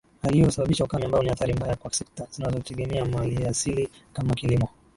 Hali hiyo husababisha ukame ambao ni athari mbaya kwa sekta zinazotegemea maliasili kama kilimo